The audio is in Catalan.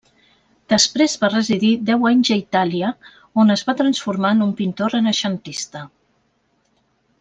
Després va residir deu anys a Itàlia, on es va transformar en un pintor renaixentista.